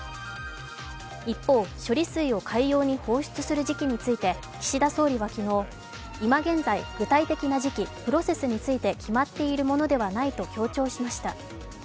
一方、処理水を海洋に放出する時期について岸田総理は昨日、今現在、具体的な時期、プロセスについて決まっているものではないと強調しました。